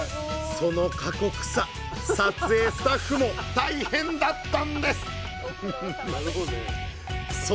その過酷さ撮影スタッフも大変だったんですご苦労さまです。